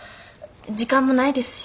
時間もないですし。